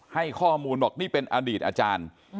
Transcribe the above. ให้ข้อมูลบอกนี่เป็นอดีตอาจารย์